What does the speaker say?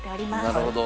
なるほど。